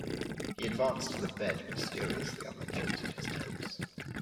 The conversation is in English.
He advanced to the bed mysteriously on the tips of his toes.